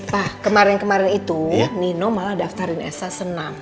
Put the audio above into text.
pa kemarin kemarin itu nino malah daftarin elsa senang